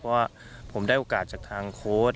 เพราะว่าผมได้โอกาสจากทางโค้ด